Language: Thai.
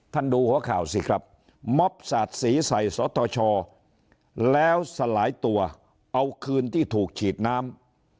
ดูหัวข่าวสิครับม็อบสาดสีใส่สตชแล้วสลายตัวเอาคืนที่ถูกฉีดน้ำ